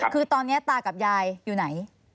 คือตอนนี้ตากับยายอยู่ไหน